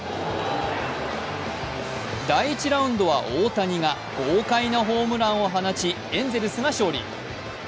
第１ラウンドは大谷が豪快なホームランを放ちエンゼルスが勝利。